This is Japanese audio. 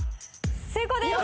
成功です！